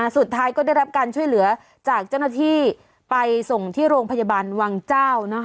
สุดท้ายก็ได้รับการช่วยเหลือจากเจ้าหน้าที่ไปส่งที่โรงพยาบาลวังเจ้า